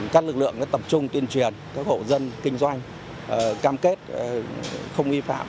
các lực lượng tập trung tuyên truyền các hộ dân kinh doanh cam kết không vi phạm